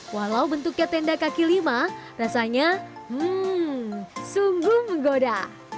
walau bentuknya tenda kaki lima rasanya sungguh menggoda